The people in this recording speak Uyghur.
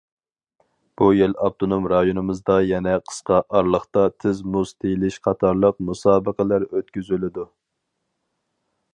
بۇ يىل ئاپتونوم رايونىمىزدا يەنە قىسقا ئارىلىقتا تېز مۇز تېيىلىش قاتارلىق مۇسابىقىلەر ئۆتكۈزۈلىدۇ.